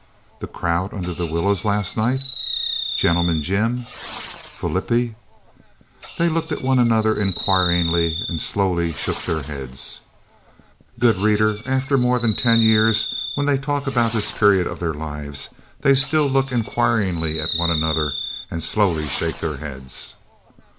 "The crowd under the willows last night?" "Gentleman Jim?" "Flippie?" They looked at one another inquiringly and slowly shook their heads. Good reader, after more than ten years, when they talk about this period of their lives, they still look inquiringly at one another and slowly shake their heads.